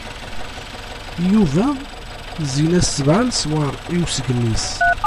Yufa zzin-as sebεa leswar i usgen-is.